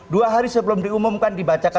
dua hari sebelum diumumkan dibacakan